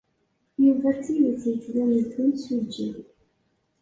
Yuba d tidet yettban-d d imsujji.